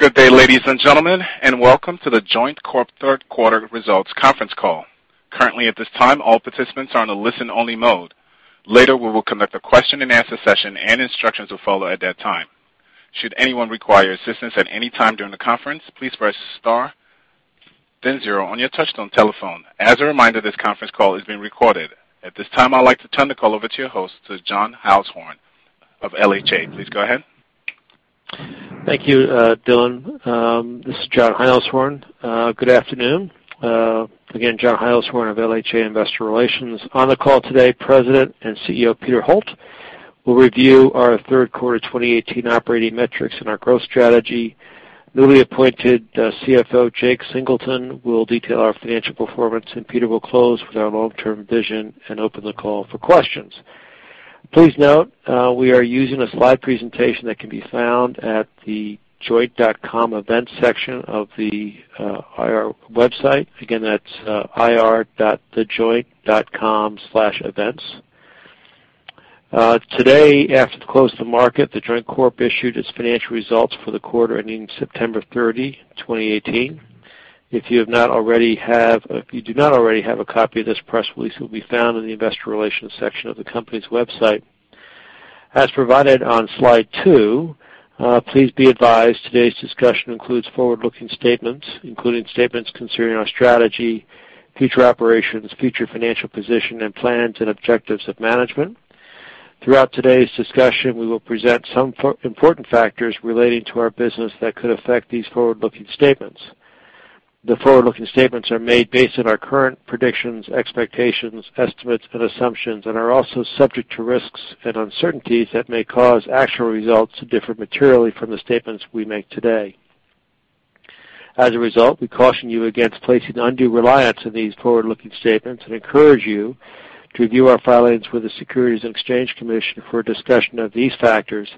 Good day, ladies and gentlemen, welcome to The Joint Third Quarter Results Conference Call. Currently, at this time, all participants are on a listen-only mode. Later, we will conduct a question and answer session, instructions will follow at that time. Should anyone require assistance at any time during the conference, please press star then zero on your touch-tone telephone. As a reminder, this conference call is being recorded. At this time, I'd like to turn the call over to your host, to John Heilshorn of LHA. Please go ahead. Thank you, Dylan. This is John Heilshorn. Good afternoon. Again, John Heilshorn of LHA Investor Relations. On the call today, President and CEO, Peter Holt, will review our third quarter 2018 operating metrics and our growth strategy. Newly appointed CFO, Jake Singleton, will detail our financial performance, Peter will close with our long-term vision and open the call for questions. Please note, we are using a slide presentation that can be found at thejoint.com events section of the IR website. Again, that's ir.thejoint.com/events. Today, after the close of the market, The Joint Corp issued its financial results for the quarter ending September 30, 2018. If you do not already have a copy of this press release, it will be found in the investor relations section of the company's website. As provided on slide two, please be advised today's discussion includes forward-looking statements, including statements concerning our strategy, future operations, future financial position, plans and objectives of management. Throughout today's discussion, we will present some important factors relating to our business that could affect these forward-looking statements. The forward-looking statements are made based on our current predictions, expectations, estimates, assumptions and are also subject to risks and uncertainties that may cause actual results to differ materially from the statements we make today. As a result, we caution you against placing undue reliance on these forward-looking statements and encourage you to view our filings with the Securities and Exchange Commission for a discussion of these factors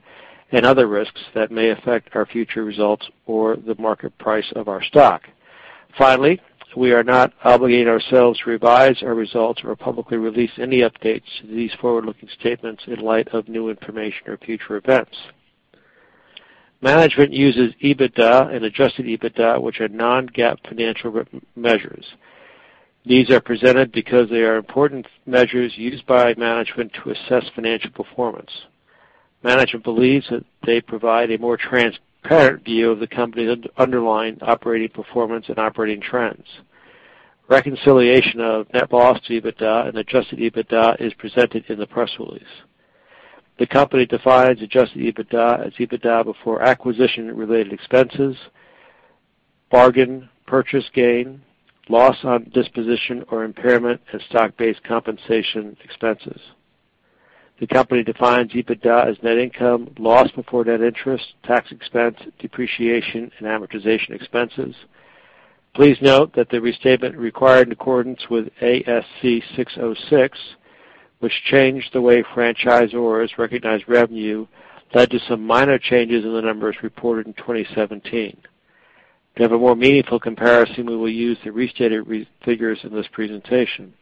and other risks that may affect our future results or the market price of our stock. Finally, we are not obligating ourselves to revise our results or publicly release any updates to these forward-looking statements in light of new information or future events. Management uses EBITDA and adjusted EBITDA, which are non-GAAP financial measures. These are presented because they are important measures used by management to assess financial performance. Management believes that they provide a more transparent view of the company's underlying operating performance and operating trends. Reconciliation of net loss to EBITDA and adjusted EBITDA is presented in the press release. The company defines adjusted EBITDA as EBITDA before acquisition and related expenses, bargain purchase gain, loss on disposition or impairment, and stock-based compensation expenses. The company defines EBITDA as net income, loss before net interest, tax expense, depreciation, and amortization expenses. Please note that the restatement required in accordance with ASC 606, which changed the way franchisors recognize revenue, led to some minor changes in the numbers reported in 2017. To have a more meaningful comparison, we will use the restated figures in this presentation.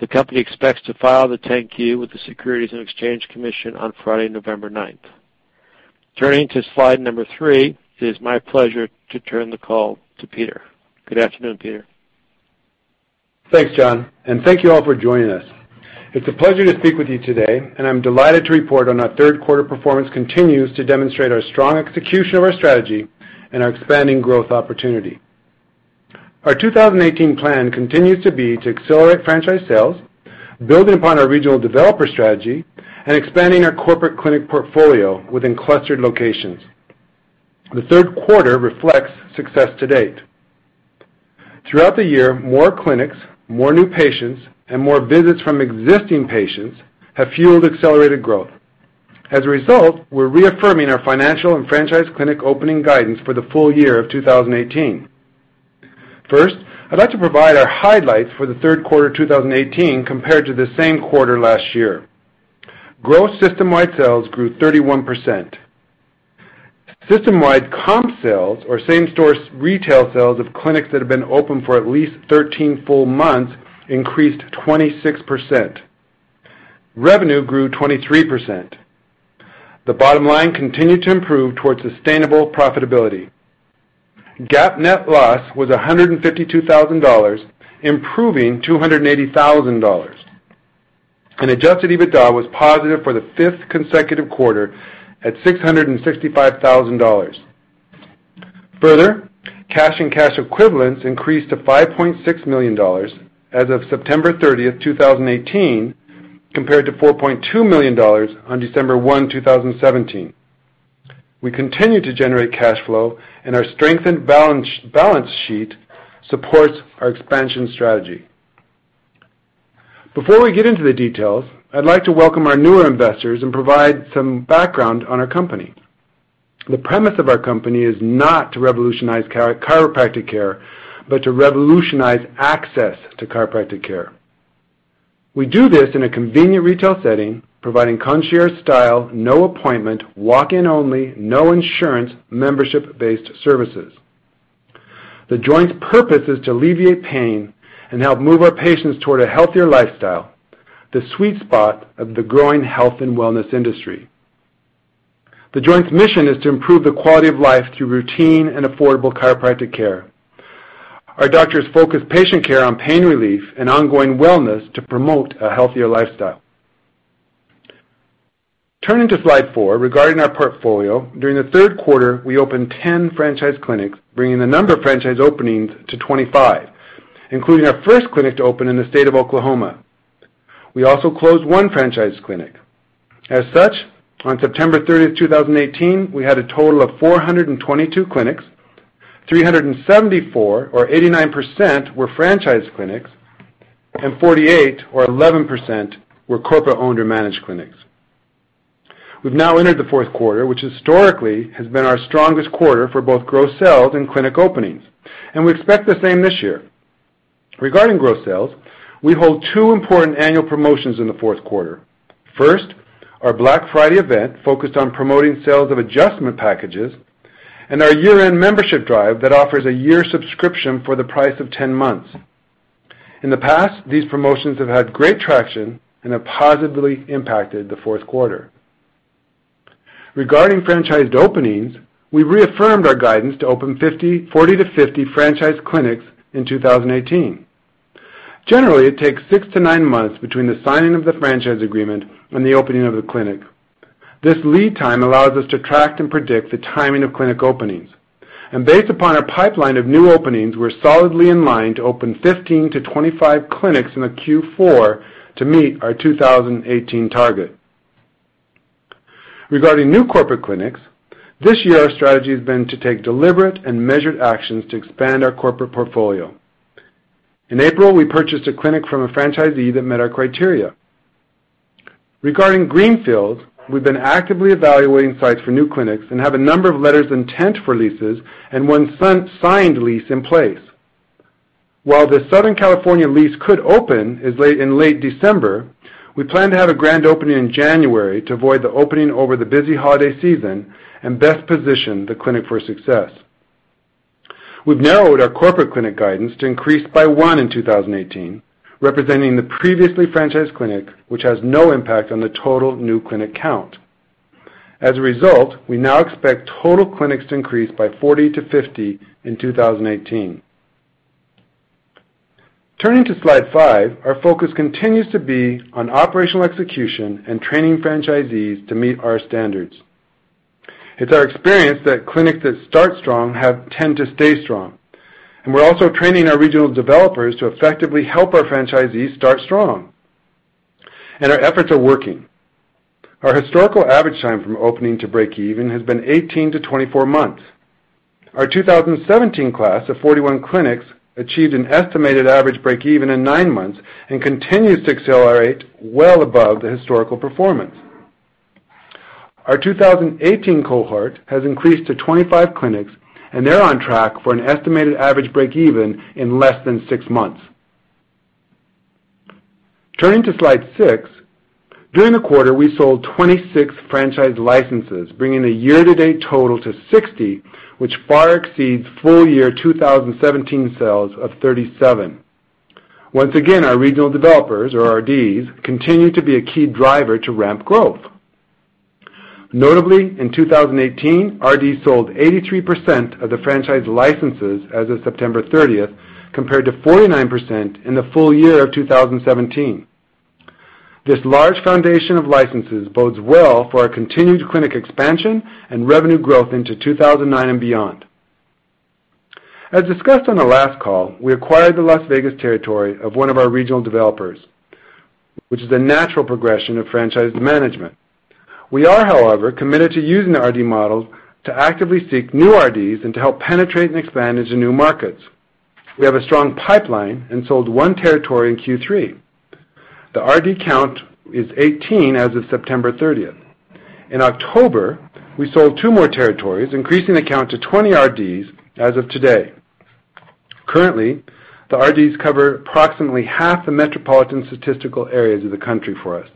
The company expects to file the 10-Q with the Securities and Exchange Commission on Friday, November 9th. Turning to slide number three, it is my pleasure to turn the call to Peter. Good afternoon, Peter. Thanks, John, and thank you all for joining us. It's a pleasure to speak with you today, and I'm delighted to report on our third quarter performance continues to demonstrate our strong execution of our strategy and our expanding growth opportunity. Our 2018 plan continues to be to accelerate franchise sales, building upon our regional developer strategy and expanding our corporate clinic portfolio within clustered locations. The third quarter reflects success to date. Throughout the year, more clinics, more new patients, and more visits from existing patients have fueled accelerated growth. As a result, we're reaffirming our financial and franchise clinic opening guidance for the full year of 2018. First, I'd like to provide our highlights for the third quarter 2018 compared to the same quarter last year. Gross system-wide sales grew 31%. System-wide comp sales or same-store retail sales of clinics that have been open for at least 13 full months increased 26%. Revenue grew 23%. The bottom line continued to improve towards sustainable profitability. GAAP net loss was $152,000, improving $280,000. Adjusted EBITDA was positive for the fifth consecutive quarter at $665,000. Further, cash and cash equivalents increased to $5.6 million as of September 30th, 2018, compared to $4.2 million on December 31, 2017. We continue to generate cash flow, and our strengthened balance sheet supports our expansion strategy. Before we get into the details, I'd like to welcome our newer investors and provide some background on our company. The premise of our company is not to revolutionize chiropractic care, but to revolutionize access to chiropractic care. We do this in a convenient retail setting, providing concierge-style, no appointment, walk-in only, no insurance, membership-based services. The Joint's purpose is to alleviate pain and help move our patients toward a healthier lifestyle, the sweet spot of the growing health and wellness industry. The Joint's mission is to improve the quality of life through routine and affordable chiropractic care. Our doctors focus patient care on pain relief and ongoing wellness to promote a healthier lifestyle. Turning to slide four, regarding our portfolio, during the third quarter, we opened 10 franchise clinics, bringing the number of franchise openings to 25, including our first clinic to open in the state of Oklahoma. We also closed one franchise clinic. As such, on September 30th, 2018, we had a total of 422 clinics, 374 or 89% were franchise clinics, and 48 or 11% were corporate owned or managed clinics. We've now entered the fourth quarter, which historically has been our strongest quarter for both gross sales and clinic openings, and we expect the same this year. Regarding gross sales, we hold two important annual promotions in the fourth quarter. First, our Black Friday event focused on promoting sales of adjustment packages and our year-end membership drive that offers a year subscription for the price of 10 months. In the past, these promotions have had great traction and have positively impacted the fourth quarter. Regarding franchised openings, we reaffirmed our guidance to open 40 to 50 franchise clinics in 2018. Generally, it takes six to nine months between the signing of the franchise agreement and the opening of the clinic. This lead time allows us to track and predict the timing of clinic openings. Based upon our pipeline of new openings, we're solidly in line to open 15-25 clinics in the Q4 to meet our 2018 target. Regarding new corporate clinics, this year our strategy has been to take deliberate and measured actions to expand our corporate portfolio. In April, we purchased a clinic from a franchisee that met our criteria. Regarding greenfields, we've been actively evaluating sites for new clinics and have a number of letters of intent for leases and one signed lease in place. While the Southern California lease could open in late December, we plan to have a grand opening in January to avoid the opening over the busy holiday season and best position the clinic for success. We've narrowed our corporate clinic guidance to increase by one in 2018, representing the previously franchised clinic, which has no impact on the total new clinic count. As a result, we now expect total clinics to increase by 40 to 50 in 2018. Turning to slide five, our focus continues to be on operational execution and training franchisees to meet our standards. It's our experience that clinics that start strong tend to stay strong, and we're also training our regional developers to effectively help our franchisees start strong, and our efforts are working. Our historical average time from opening to break even has been 18-24 months. Our 2017 class of 41 clinics achieved an estimated average break even in nine months and continues to accelerate well above the historical performance. Our 2018 cohort has increased to 25 clinics, and they're on track for an estimated average break even in less than six months. Turning to slide six. During the quarter, we sold 26 franchise licenses, bringing the year-to-date total to 60, which far exceeds full year 2017 sales of 37. Once again, our regional developers, or RDs, continue to be a key driver to ramp growth. Notably, in 2018, RDs sold 83% of the franchise licenses as of September 30th, compared to 49% in the full year of 2017. This large foundation of licenses bodes well for our continued clinic expansion and revenue growth into 2019 and beyond. As discussed on the last call, we acquired the Las Vegas territory of one of our regional developers, which is a natural progression of franchised management. We are, however, committed to using the RD models to actively seek new RDs and to help penetrate and expand into new markets. We have a strong pipeline and sold one territory in Q3. The RD count is 18 as of September 30th. In October, we sold two more territories, increasing the count to 20 RDs as of today. Currently, the RDs cover approximately half the metropolitan statistical areas of the country for us.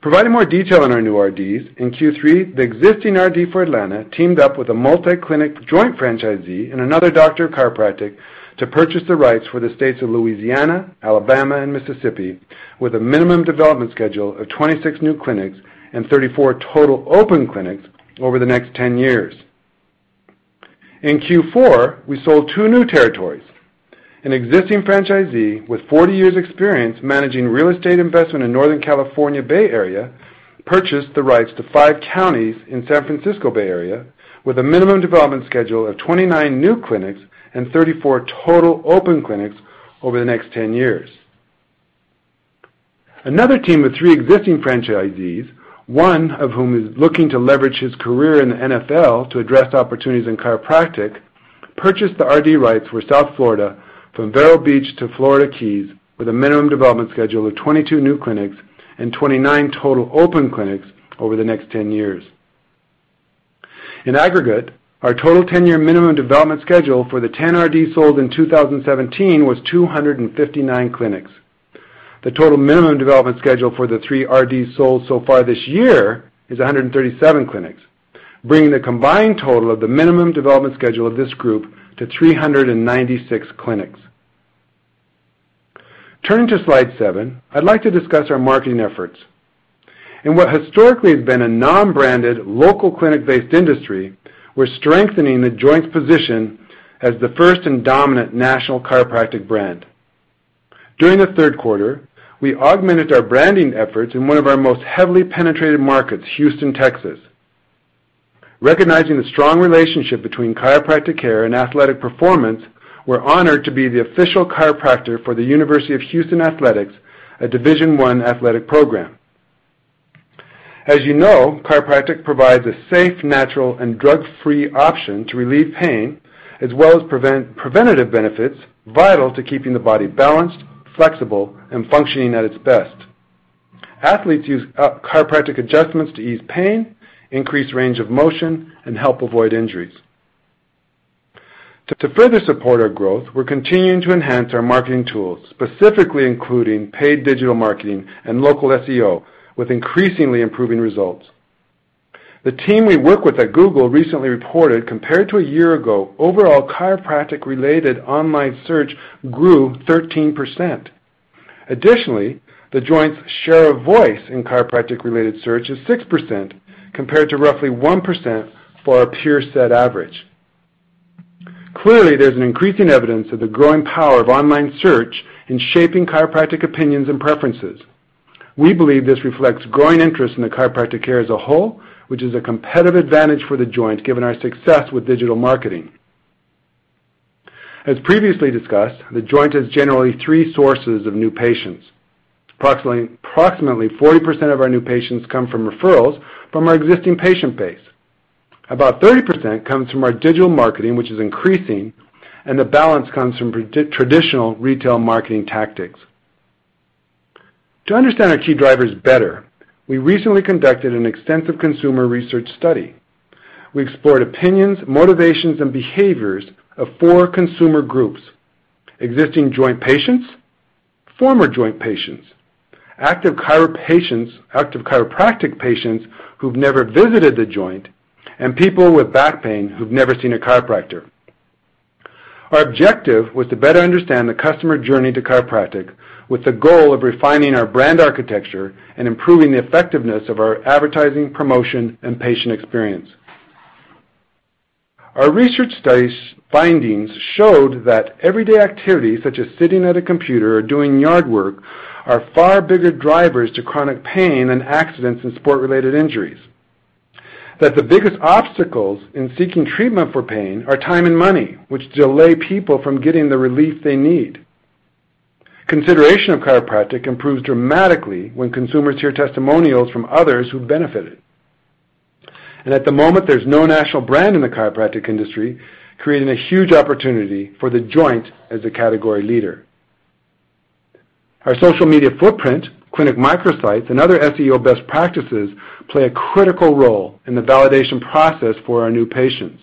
Providing more detail on our new RDs, in Q3, the existing RD for Atlanta teamed up with a multi-clinic The Joint franchisee and another doctor of chiropractic to purchase the rights for the states of Louisiana, Alabama and Mississippi with a minimum development schedule of 26 new clinics and 34 total open clinics over the next 10 years. In Q4, we sold two new territories. An existing franchisee with 40 years' experience managing real estate investment in Northern California Bay Area purchased the rights to five counties in San Francisco Bay Area with a minimum development schedule of 29 new clinics and 34 total open clinics over the next 10 years. Another team with three existing franchisees, one of whom is looking to leverage his career in the NFL to address opportunities in chiropractic, purchased the RD rights for South Florida from Vero Beach to Florida Keys with a minimum development schedule of 22 new clinics and 29 total open clinics over the next 10 years. In aggregate, our total 10-year minimum development schedule for the 10 RDs sold in 2017 was 259 clinics. The total minimum development schedule for the three RDs sold so far this year is 137 clinics, bringing the combined total of the minimum development schedule of this group to 396 clinics. Turning to slide seven, I'd like to discuss our marketing efforts. In what historically has been a non-branded, local clinic-based industry, we're strengthening The Joint's position as the first and dominant national chiropractic brand. During the third quarter, we augmented our branding efforts in one of our most heavily penetrated markets, Houston, Texas. Recognizing the strong relationship between chiropractic care and athletic performance, we're honored to be the official chiropractor for the University of Houston Athletics, a Division I athletic program. As you know, chiropractic provides a safe, natural and drug-free option to relieve pain, as well as preventative benefits vital to keeping the body balanced, flexible, and functioning at its best. Athletes use chiropractic adjustments to ease pain, increase range of motion, and help avoid injuries. To further support our growth, we're continuing to enhance our marketing tools, specifically including paid digital marketing and local SEO, with increasingly improving results. The team we work with at Google recently reported, compared to a year ago, overall chiropractic-related online search grew 13%. The Joint's share of voice in chiropractic-related search is 6%, compared to roughly 1% for our peer set average. Clearly, there's an increasing evidence of the growing power of online search in shaping chiropractic opinions and preferences. We believe this reflects growing interest in the chiropractic care as a whole, which is a competitive advantage for The Joint given our success with digital marketing. As previously discussed, The Joint has generally three sources of new patients. Approximately 40% of our new patients come from referrals from our existing patient base. About 30% comes from our digital marketing, which is increasing, the balance comes from traditional retail marketing tactics. To understand our key drivers better, we recently conducted an extensive consumer research study. We explored opinions, motivations, and behaviors of four consumer groups: existing The Joint patients, former The Joint patients, active chiropractic patients who've never visited The Joint, and people with back pain who've never seen a chiropractor. Our objective was to better understand the customer journey to chiropractic with the goal of refining our brand architecture and improving the effectiveness of our advertising, promotion, and patient experience. Our research study findings showed that everyday activities such as sitting at a computer or doing yard work are far bigger drivers to chronic pain than accidents and sport-related injuries. That the biggest obstacles in seeking treatment for pain are time and money, which delay people from getting the relief they need. Consideration of chiropractic improves dramatically when consumers hear testimonials from others who've benefited. At the moment, there's no national brand in the chiropractic industry, creating a huge opportunity for The Joint as a category leader. Our social media footprint, clinic microsites, and other SEO best practices play a critical role in the validation process for our new patients.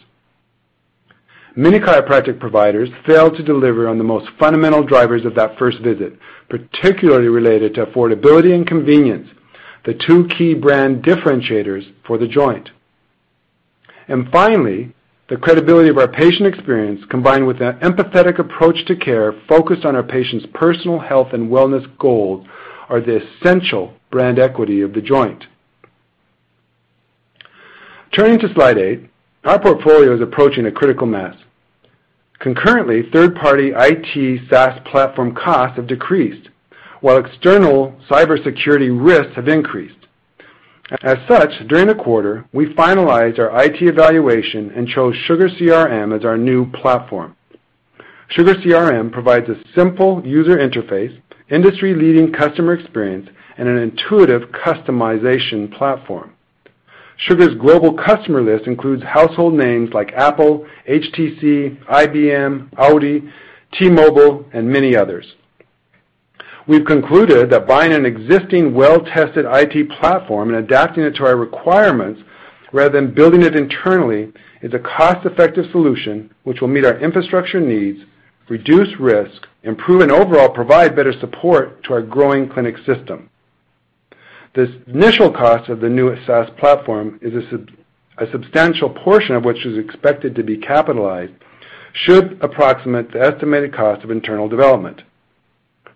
Many chiropractic providers fail to deliver on the most fundamental drivers of that first visit, particularly related to affordability and convenience, the two key brand differentiators for The Joint. Finally, the credibility of our patient experience, combined with an empathetic approach to care focused on our patients' personal health and wellness goals, are the essential brand equity of The Joint. Turning to slide eight, our portfolio is approaching a critical mass. Concurrently, third-party IT SaaS platform costs have decreased, while external cybersecurity risks have increased. As such, during the quarter, we finalized our IT evaluation and chose SugarCRM as our new platform. SugarCRM provides a simple user interface, industry-leading customer experience, and an intuitive customization platform. Sugar's global customer list includes household names like Apple, HTC, IBM, Audi, T-Mobile, and many others. We've concluded that buying an existing well-tested IT platform and adapting it to our requirements rather than building it internally is a cost-effective solution which will meet our infrastructure needs, reduce risk, improve and overall provide better support to our growing clinic system. This initial cost of the new SaaS platform is a substantial portion of which is expected to be capitalized, should approximate the estimated cost of internal development.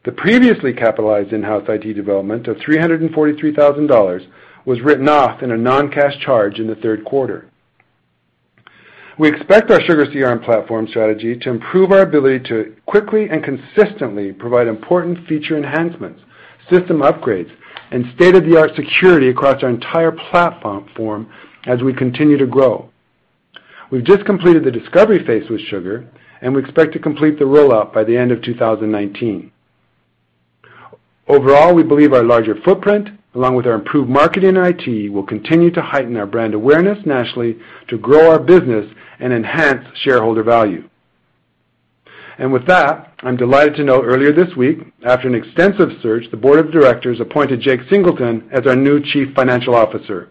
The previously capitalized in-house IT development of $343,000 was written off in a non-cash charge in the third quarter. We expect our SugarCRM platform strategy to improve our ability to quickly and consistently provide important feature enhancements, system upgrades, and state-of-the-art security across our entire platform as we continue to grow. We've just completed the discovery phase with Sugar, and we expect to complete the rollout by the end of 2019. Overall, we believe our larger footprint, along with our improved marketing and IT, will continue to heighten our brand awareness nationally to grow our business and enhance shareholder value. With that, I'm delighted to note earlier this week, after an extensive search, the board of directors appointed Jake Singleton as our new Chief Financial Officer.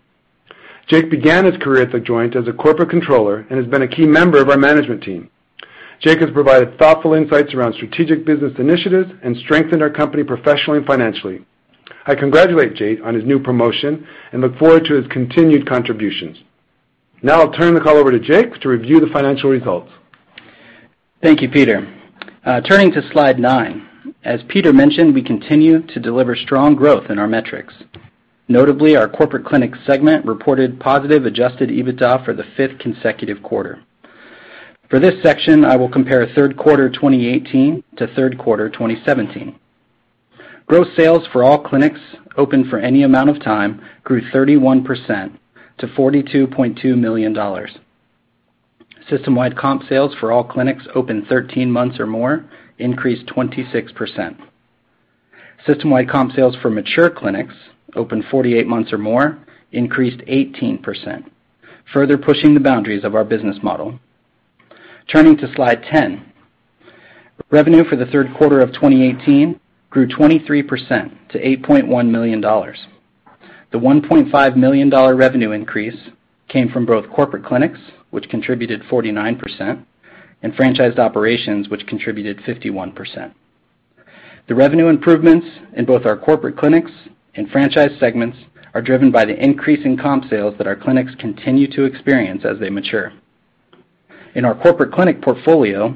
Jake began his career at The Joint as a corporate controller and has been a key member of our management team. Jake has provided thoughtful insights around strategic business initiatives and strengthened our company professionally and financially. I congratulate Jake on his new promotion and look forward to his continued contributions. Now I'll turn the call over to Jake to review the financial results. Thank you, Peter. Turning to slide nine. As Peter mentioned, we continue to deliver strong growth in our metrics. Notably, our corporate clinic segment reported positive adjusted EBITDA for the fifth consecutive quarter. For this section, I will compare third quarter 2018 to third quarter 2017. Gross sales for all clinics open for any amount of time grew 31% to $42.2 million. System-wide comp sales for all clinics open 13 months or more increased 26%. System-wide comp sales for mature clinics open 48 months or more increased 18%, further pushing the boundaries of our business model. Turning to slide 10. Revenue for the third quarter of 2018 grew 23% to $8.1 million. The $1.5 million revenue increase came from both corporate clinics, which contributed 49%, and franchised operations, which contributed 51%. The revenue improvements in both our corporate clinics and franchise segments are driven by the increase in comp sales that our clinics continue to experience as they mature. In our corporate clinic portfolio,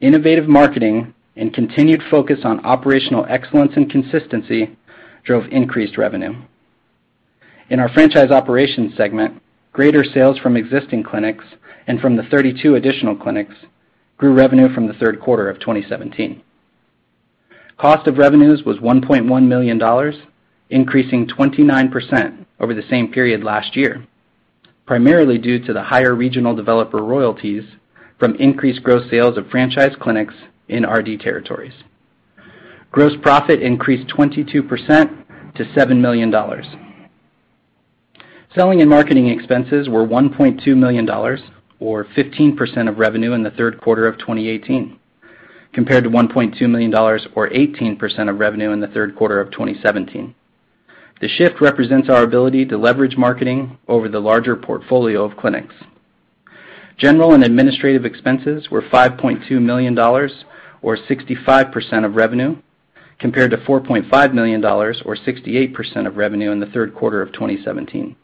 innovative marketing and continued focus on operational excellence and consistency drove increased revenue. In our franchise operations segment, greater sales from existing clinics and from the 32 additional clinics grew revenue from the third quarter of 2017. Cost of revenues was $1.1 million, increasing 29% over the same period last year, primarily due to the higher regional developer royalties from increased gross sales of franchise clinics in RD territories. Gross profit increased 22% to $7 million. Selling and marketing expenses were $1.2 million, or 15% of revenue in the third quarter of 2018, compared to $1.2 million or 18% of revenue in the third quarter of 2017. The shift represents our ability to leverage marketing over the larger portfolio of clinics. General and administrative expenses were $5.2 million, or 65% of revenue, compared to $4.5 million, or 68% of revenue in the third quarter of 2017.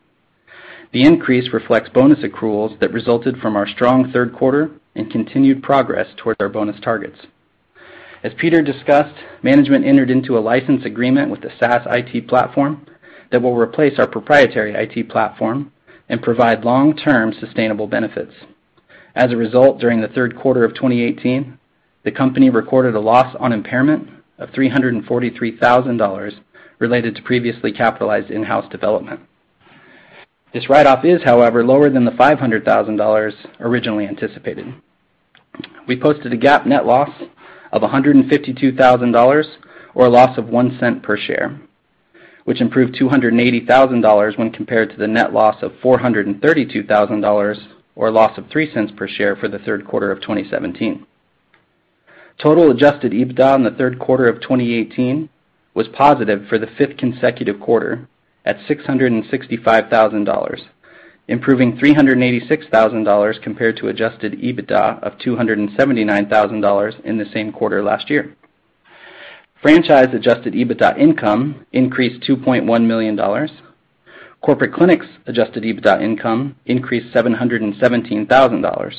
The increase reflects bonus accruals that resulted from our strong third quarter and continued progress towards our bonus targets. As Peter discussed, Management entered into a license agreement with the SaaS IT platform that will replace our proprietary IT platform and provide long-term sustainable benefits. As a result, during the third quarter of 2018, the company recorded a loss on impairment of $343,000 related to previously capitalized in-house development. This write-off is, however, lower than the $500,000 originally anticipated. We posted a GAAP net loss of $152,000, or a loss of $0.01 per share, which improved $280,000 when compared to the net loss of $432,000, or a loss of $0.03 per share for the third quarter of 2017. Total adjusted EBITDA in the third quarter of 2018 was positive for the fifth consecutive quarter at $665,000, improving $386,000 compared to adjusted EBITDA of $279,000 in the same quarter last year. Franchise adjusted EBITDA income increased $2.1 million. Corporate clinics' adjusted EBITDA income increased $717,000.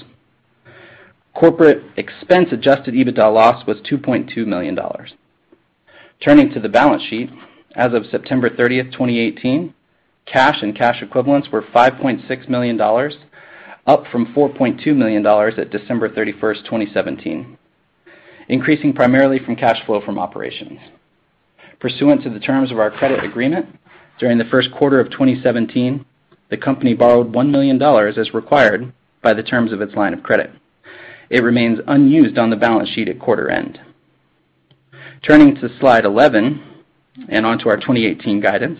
Corporate expense adjusted EBITDA loss was $2.2 million. Turning to the balance sheet. As of September 30th, 2018, cash and cash equivalents were $5.6 million, up from $4.2 million at December 31st, 2017, increasing primarily from cash flow from operations. Pursuant to the terms of our credit agreement, during the first quarter of 2017, the company borrowed $1 million as required by the terms of its line of credit. It remains unused on the balance sheet at quarter end. Turning to slide 11 and onto our 2018 guidance.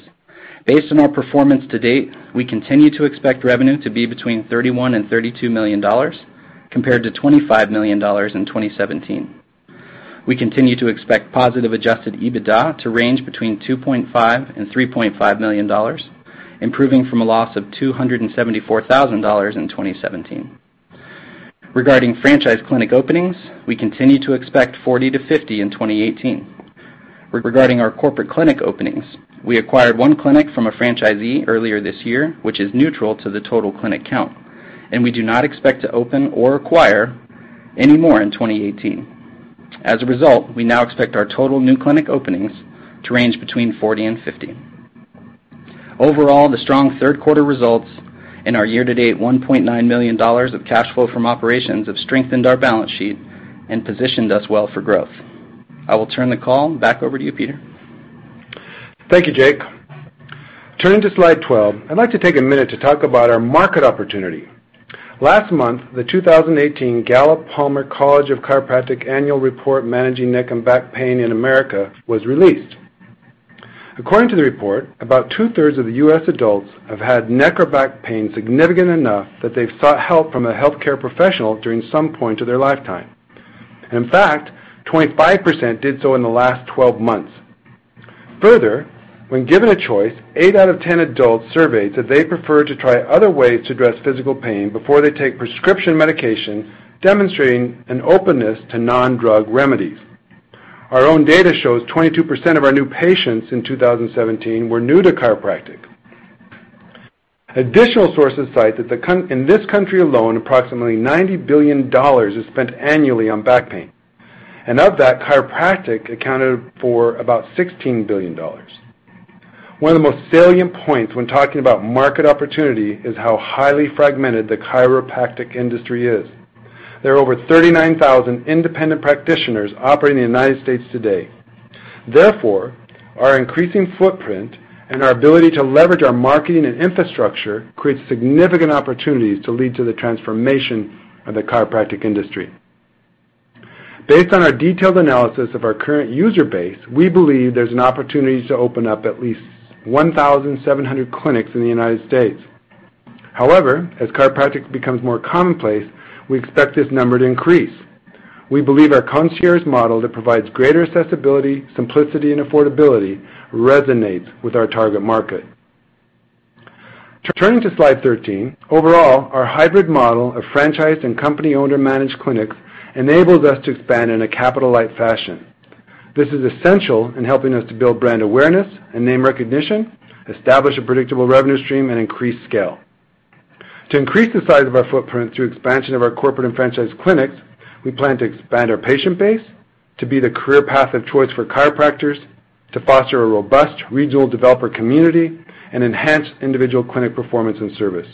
Based on our performance to date, we continue to expect revenue to be between $31 million-$32 million, compared to $25 million in 2017. We continue to expect positive adjusted EBITDA to range between $2.5 million-$3.5 million, improving from a loss of $274,000 in 2017. Regarding franchise clinic openings, we continue to expect 40-50 in 2018. Regarding our corporate clinic openings, we acquired one clinic from a franchisee earlier this year, which is neutral to the total clinic count, and we do not expect to open or acquire any more in 2018. As a result, we now expect our total new clinic openings to range between 40-50. Overall, the strong third quarter results and our year-to-date $1.9 million of cash flow from operations have strengthened our balance sheet and positioned us well for growth. I will turn the call back over to you, Peter. Thank you, Jake. Turning to slide 12, I'd like to take a minute to talk about our market opportunity. Last month, the 2018 Gallup-Palmer College of Chiropractic Annual Report: Managing Neck and Back Pain in America was released. According to the report, about 2/3 of the U.S. adults have had neck or back pain significant enough that they've sought help from a healthcare professional during some point of their lifetime. In fact, 25% did so in the last 12 months. Further, when given a choice, eight out of 10 adults surveyed said they prefer to try other ways to address physical pain before they take prescription medication, demonstrating an openness to non-drug remedies. Our own data shows 22% of our new patients in 2017 were new to chiropractic. Additional sources cite that in this country alone, approximately $90 billion is spent annually on back pain. Of that, chiropractic accounted for about $16 billion. One of the most salient points when talking about market opportunity is how highly fragmented the chiropractic industry is. There are over 39,000 independent practitioners operating in the United States. today. Therefore, our increasing footprint and our ability to leverage our marketing and infrastructure creates significant opportunities to lead to the transformation of the chiropractic industry. Based on our detailed analysis of our current user base, we believe there's an opportunity to open up at least 1,700 clinics in the United States. However, as chiropractic becomes more commonplace, we expect this number to increase. We believe our concierge model that provides greater accessibility, simplicity, and affordability resonates with our target market. Turning to slide 13. Overall, our hybrid model of franchise and company-owner managed clinics enables us to expand in a capital-light fashion. This is essential in helping us to build brand awareness and name recognition, establish a predictable revenue stream, and increase scale. To increase the size of our footprint through expansion of our corporate and franchise clinics, we plan to expand our patient base to be the career path of choice for chiropractors, to foster a robust regional developer community, and enhance individual clinic performance and service.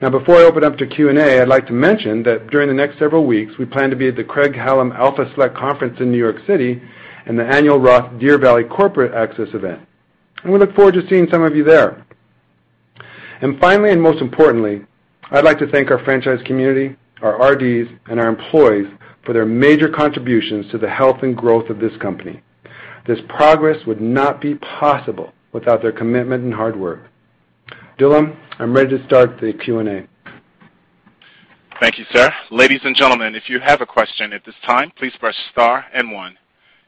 Now, before I open up to Q&A, I'd like to mention that during the next several weeks, we plan to be at the Craig-Hallum Alpha Select Conference in New York City and the Annual ROTH Deer Valley Corporate Access Event, and we look forward to seeing some of you there. Finally, and most importantly, I'd like to thank our franchise community, our RDs, and our employees for their major contributions to the health and growth of this company. This progress would not be possible without their commitment and hard work. Dylan, I'm ready to start the Q&A. Thank you, sir. Ladies and gentlemen, if you have a question at this time, please press star and one.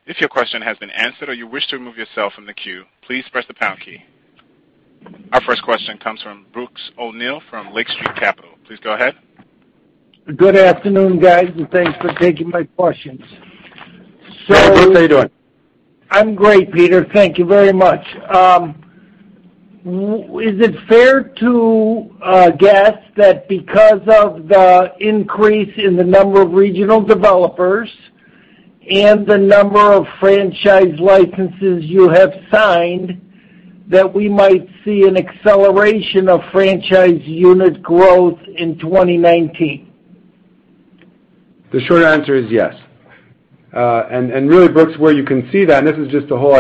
If your question has been answered or you wish to remove yourself from the queue, please press the pound key. Our first question comes from Brooks O'Neil from Lake Street Capital. Please go ahead. Good afternoon, guys, thanks for taking my questions. Brooks, how you doing? I'm great, Peter. Thank you very much. Is it fair to guess that because of the increase in the number of regional developers and the number of franchise licenses you have signed that we might see an acceleration of franchise unit growth in 2019? The short answer is yes. Really, Brooks, where you can see that, and this is just the whole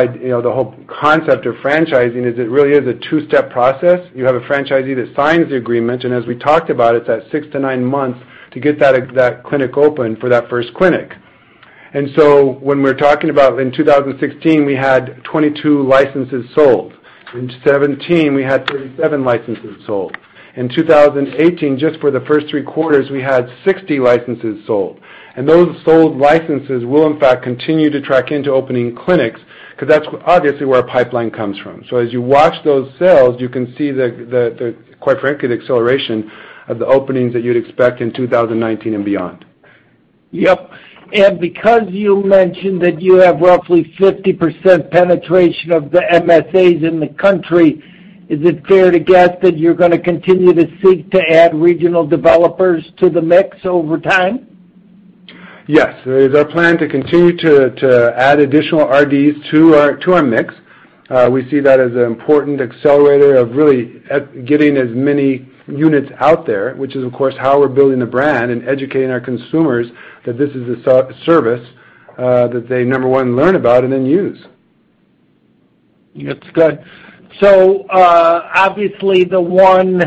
concept of franchising, is it really is a two-step process. You have a franchisee that signs the agreement, and as we talked about, it's that six to nine months to get that clinic open for that first clinic. When we're talking about in 2016, we had 22 licenses sold. In 2017, we had 37 licenses sold. In 2018, just for the first three quarters, we had 60 licenses sold. Those sold licenses will in fact continue to track into opening clinics, because that's obviously where our pipeline comes from. As you watch those sales, you can see the, quite frankly, the acceleration of the openings that you'd expect in 2019 and beyond. Yep. Because you mentioned that you have roughly 50% penetration of the MSAs in the country, is it fair to guess that you're going to continue to seek to add regional developers to the mix over time? Yes. It is our plan to continue to add additional RDs to our mix. We see that as an important accelerator of really getting as many units out there, which is, of course, how we're building the brand and educating our consumers that this is a service that they, number one, learn about and then use. That's good. Obviously, the one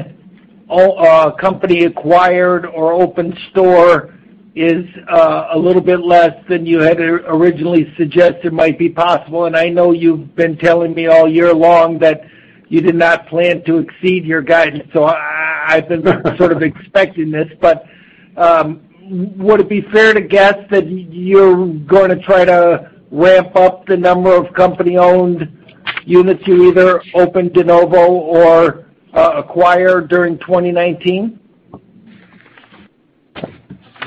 company acquired or open store is a little bit less than you had originally suggested might be possible. I know you've been telling me all year long that you did not plan to exceed your guidance, so I've been sort of expecting this. Would it be fair to guess that you're going to try to ramp up the number of company-owned units you either open de novo or acquire during 2019?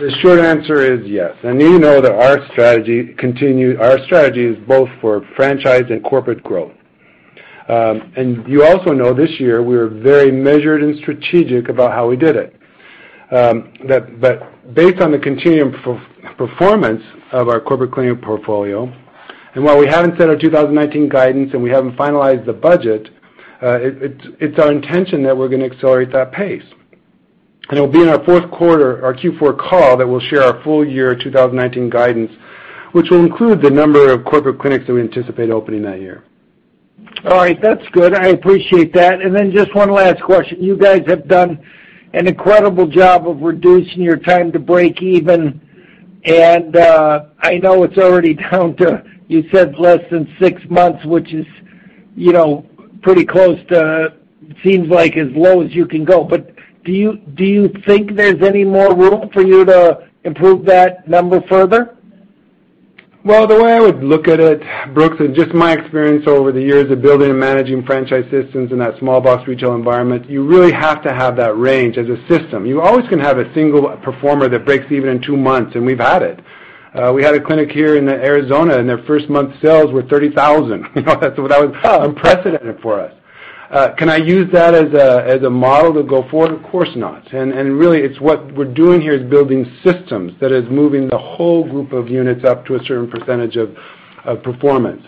The short answer is yes. You know that our strategy is both for franchise and corporate growth. You also know this year we were very measured and strategic about how we did it. That based on the continuing performance of our corporate clinic portfolio, while we haven't set our 2019 guidance and we haven't finalized the budget, it's our intention that we're going to accelerate that pace. It'll be in our fourth quarter, our Q4 call, that we'll share our full year 2019 guidance, which will include the number of corporate clinics that we anticipate opening that year. All right. That's good. I appreciate that. Just one last question. You guys have done an incredible job of reducing your time to break even, and I know it's already down to, you said, less than six months, which is pretty close to seems like as low as you can go. Do you think there's any more room for you to improve that number further? Well, the way I would look at it, Brooks, just my experience over the years of building and managing franchise systems in that small box retail environment, you really have to have that range as a system. You always can have a single performer that breaks even in two months, we've had it. We had a clinic here in Arizona, their first month's sales were $30,000. That was unprecedented for us. Can I use that as a model to go forward? Of course not. Really, it's what we're doing here is building systems that is moving the whole group of units up to a certain percentage of performance.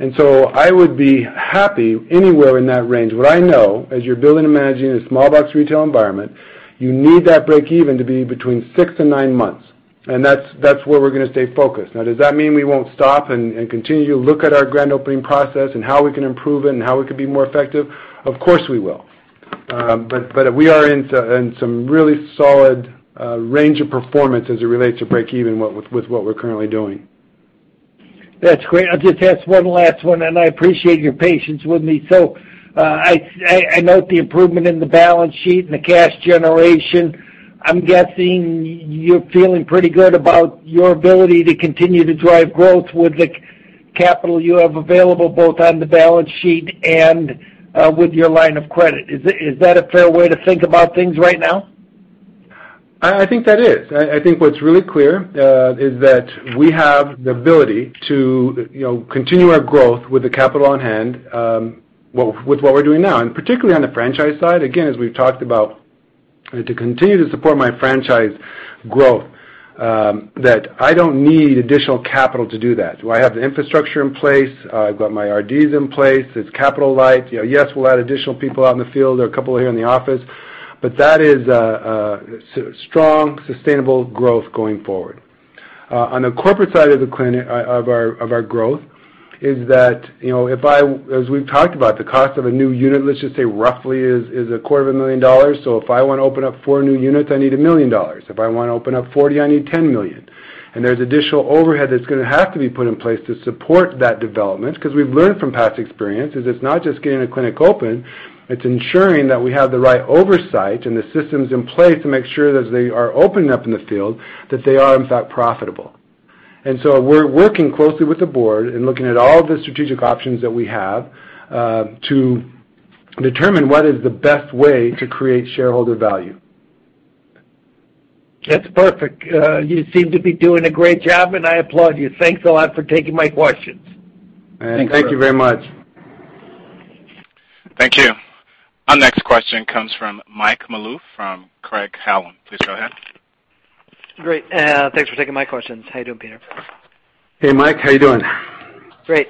I would be happy anywhere in that range. What I know, as you're building and managing a small box retail environment, you need that break even to be between six and nine months, that's where we're going to stay focused. Does that mean we won't stop and continue to look at our grand opening process and how we can improve it and how we could be more effective? Of course, we will. We are in some really solid range of performance as it relates to break even with what we're currently doing. That's great. I'll just ask one last one, I appreciate your patience with me. I note the improvement in the balance sheet and the cash generation. I'm guessing you're feeling pretty good about your ability to continue to drive growth with the capital you have available, both on the balance sheet and with your line of credit. Is that a fair way to think about things right now? I think that is. What's really clear is that we have the ability to continue our growth with the capital on hand with what we're doing now, particularly on the franchise side, again, as we've talked about, to continue to support my franchise growth, that I don't need additional capital to do that. Do I have the infrastructure in place? I've got my RDs in place. It's capital light. Yes, we'll add additional people out in the field or a couple here in the office, but that is strong, sustainable growth going forward. On the corporate side of our growth is that, as we've talked about, the cost of a new unit, let's just say roughly is a quarter of a million dollars. If I want to open up four new units, I need $1 million. If I want to open up 40, I need $10 million. There's additional overhead that's going to have to be put in place to support that development because we've learned from past experience, is it's not just getting a clinic open, it's ensuring that we have the right oversight and the systems in place to make sure that as they are opening up in the field, that they are, in fact, profitable. We're working closely with the Board and looking at all the strategic options that we have to determine what is the best way to create shareholder value. That's perfect. You seem to be doing a great job, and I applaud you. Thanks a lot for taking my questions. Thank you very much. Thank you. Our next question comes from Mike Malouf from Craig-Hallum. Please go ahead. Great. Thanks for taking my questions. How you doing, Peter? Hey, Mike. How you doing? Great.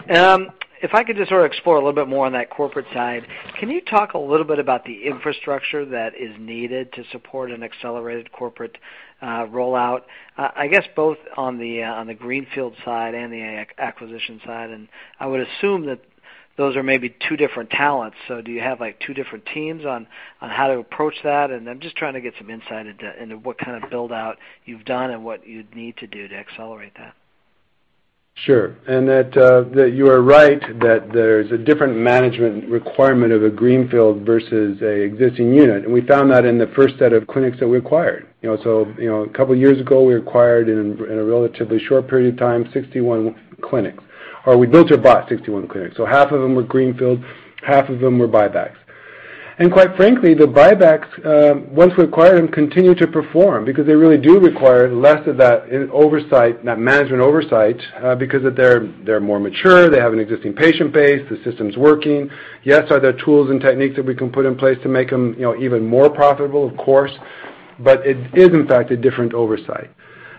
If I could just sort of explore a little bit more on that corporate side, can you talk a little bit about the infrastructure that is needed to support an accelerated corporate rollout? I guess both on the greenfield side and the acquisition side, and I would assume that those are maybe two different talents. Do you have two different teams on how to approach that? I'm just trying to get some insight into what kind of build-out you've done and what you'd need to do to accelerate that. Sure. That you are right, that there's a different management requirement of a greenfield versus an existing unit. We found that in the first set of clinics that we acquired. A couple of years ago, we acquired, in a relatively short period of time, 61 clinics, or we built or bought 61 clinics. Half of them were greenfield, half of them were buybacks. Quite frankly, the buybacks, once we acquired them, continued to perform because they really do require less of that oversight, that management oversight, because they're more mature. They have an existing patient base. The system's working. Yes, are there tools and techniques that we can put in place to make them even more profitable? Of course. It is, in fact, a different oversight.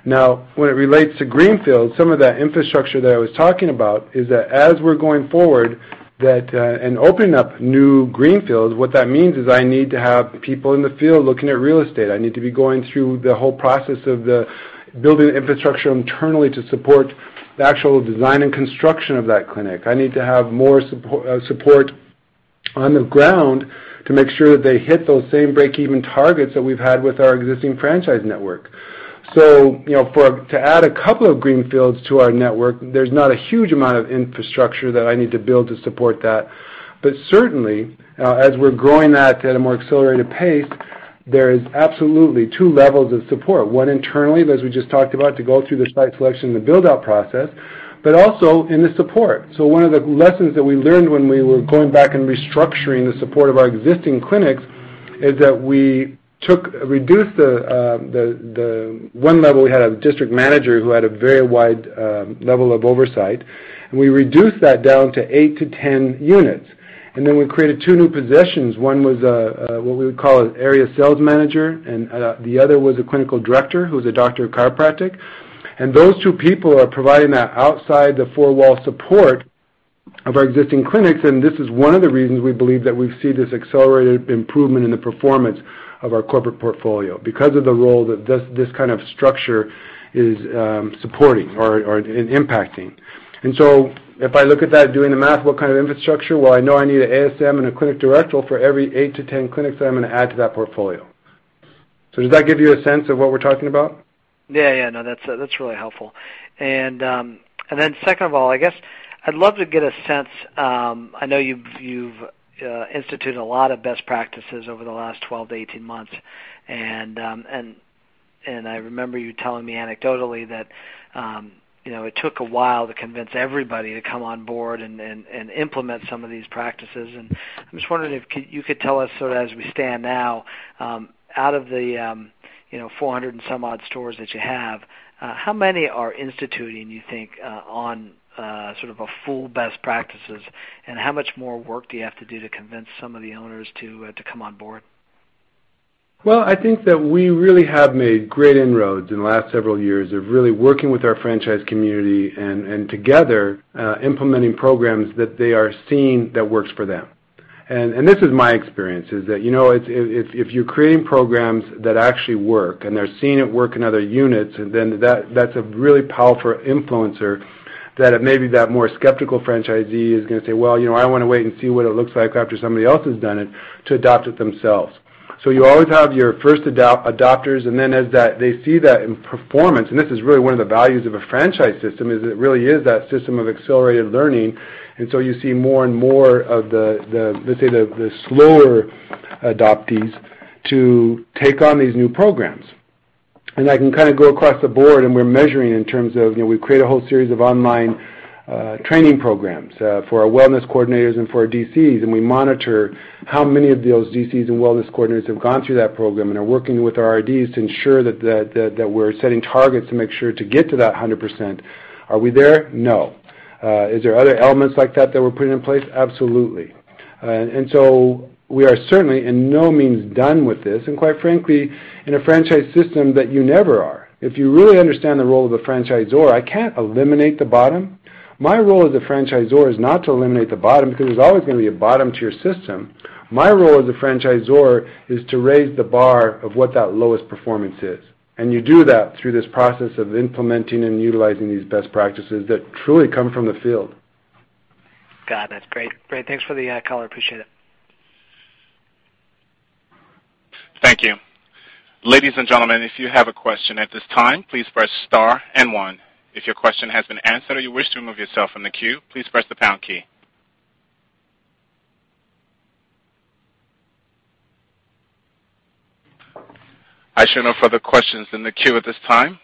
Now, when it relates to greenfield, some of that infrastructure that I was talking about is that as we're going forward that opening up new greenfields, what that means is I need to have people in the field looking at real estate. I need to be going through the whole process of the building infrastructure internally to support the actual design and construction of that clinic. I need to have more support on the ground to make sure that they hit those same break-even targets that we've had with our existing franchise network. To add a couple of greenfields to our network, there's not a huge amount of infrastructure that I need to build to support that. But certainly, as we're growing that at a more accelerated pace, there is absolutely two levels of support. One internally, as we just talked about, to go through the site selection and the build-out process, but also in the support. One of the lessons that we learned when we were going back and restructuring the support of our existing clinics is that we reduced the one level we had, a district manager who had a very wide level of oversight, and we reduced that down to 8 to 10 units. We created two new positions. One was what we would call an area sales manager, and the other was a clinical director, who was a doctor of chiropractic. Those two people are providing that outside the four-wall support of our existing clinics, and this is one of the reasons we believe that we see this accelerated improvement in the performance of our corporate portfolio, because of the role that this kind of structure is supporting or impacting. If I look at that, doing the math, what kind of infrastructure? Well, I know I need an ASM and a Clinic Director for every 8 to 10 clinics that I'm going to add to that portfolio. Does that give you a sense of what we're talking about? Yeah. No, that's really helpful. Second of all, I guess I'd love to get a sense, I know you've instituted a lot of best practices over the last 12-18 months, I remember you telling me anecdotally that it took a while to convince everybody to come on board and implement some of these practices. I'm just wondering if you could tell us sort of as we stand now, out of the 400 and some odd stores that you have, how many are instituting, you think, on sort of a full best practices, and how much more work do you have to do to convince some of the owners to come on board? Well, I think that we really have made great inroads in the last several years of really working with our franchise community and together, implementing programs that they are seeing that works for them. This is my experience, is that if you're creating programs that actually work and they're seeing it work in other units, then that's a really powerful influencer that maybe that more skeptical franchisee is going to say, well, I want to wait and see what it looks like after somebody else has done it, to adopt it themselves. You always have your first adopters, then as they see that in performance, this is really one of the values of a franchise system, is it really is that system of accelerated learning, you see more and more of the, let's say, the slower adoptees to take on these new programs. I can kind of go across the board and we're measuring in terms of, we've created a whole series of online training programs for our wellness coordinators and for our DCs, and we monitor how many of those DCs and wellness coordinators have gone through that program and are working with our RDs to ensure that we're setting targets to make sure to get to that 100%. Are we there? No. Is there other elements like that that we're putting in place? Absolutely. We are certainly in no means done with this, and quite frankly, in a franchise system that you never are. If you really understand the role of the franchisor, I can't eliminate the bottom. My role as a franchisor is not to eliminate the bottom because there's always going to be a bottom to your system. My role as a franchisor is to raise the bar of what that lowest performance is, you do that through this process of implementing and utilizing these best practices that truly come from the field. Got it. That's great. Thanks for the call. I appreciate it. Thank you. Ladies and gentlemen, if you have a question at this time, please press star and one. If your question has been answered or you wish to remove yourself from the queue, please press the pound key. I show no further questions in the queue at this time.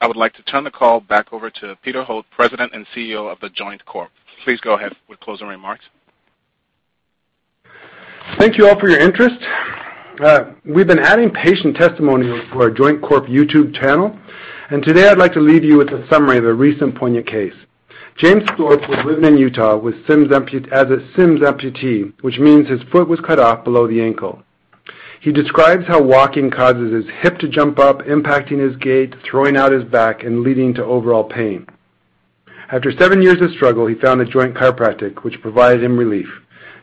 I would like to turn the call back over to Peter Holt, President and CEO of The Joint Corp. Please go ahead with closing remarks. Thank you all for your interest. We've been adding patient testimonials to our Joint Corp YouTube channel, and today I'd like to leave you with a summary of a recent patient case. James Thorpe was living in Utah as a Syme amputee, which means his foot was cut off below the ankle. He describes how walking causes his hip to jump up, impacting his gait, throwing out his back, and leading to overall pain. After seven years of struggle, he found The Joint Chiropractic, which provided him relief.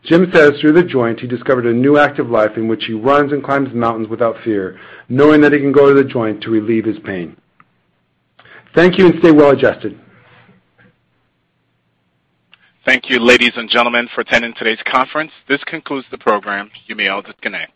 Jim says through The Joint, he discovered a new active life in which he runs and climbs mountains without fear, knowing that he can go to The Joint to relieve his pain. Thank you. Stay well-adjusted. Thank you, ladies and gentlemen, for attending today's conference. This concludes the program. You may all disconnect.